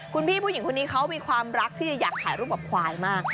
คุณพี่ผู้หญิงคนนี้เขามีความรักที่จะอยากถ่ายรูปกับควายมาก